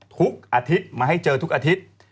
ทุกอาทิตย์มาให้เจอทุกอาทิตย์